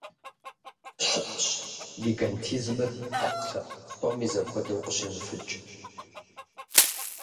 ЩыӀэщ гигантизмыр Ӏэпкълъэпкъ псоми зэхуэдэу къыщемыфыкӀ.